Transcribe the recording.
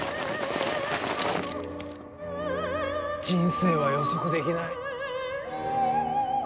人生は予測できない。